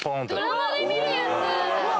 ドラマで見るやつ！